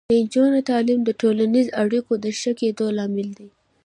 د نجونو تعلیم د ټولنیزو اړیکو د ښه کیدو لامل دی.